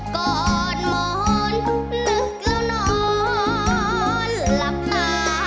ขอบคุณค่ะ